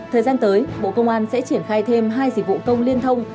thời gian tới bộ công an sẽ triển khai thêm hai dịch vụ công liên thông